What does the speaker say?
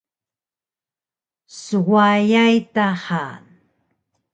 Swayay ta han!